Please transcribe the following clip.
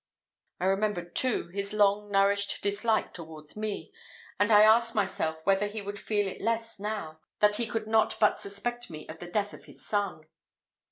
I remembered, too, his long nourished dislike towards me, and I asked myself whether he would feel it less now, that he could not but suspect me of the death of his son.